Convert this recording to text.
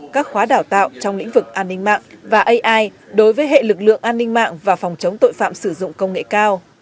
các khóa đào tạo trong lĩnh vực an ninh mạng và ai đối với hệ lực lượng an ninh mạng và phòng chống tội phạm sử dụng công nghệ cao